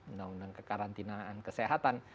undang undang karantinaan kesehatan